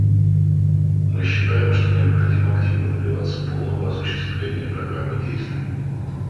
Мы считаем, что необходимо активно добиваться полного осуществления Программы действий.